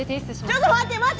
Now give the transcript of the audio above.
ちょっと待って待って！